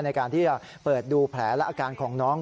ในการที่จะเปิดดูแผลและอาการของน้อง